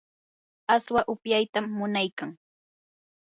aswa upyaytam munaykan.